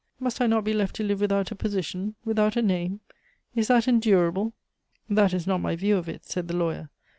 "Must I not be left to live without a position, without a name? Is that endurable?" "That is not my view of it," said the lawyer.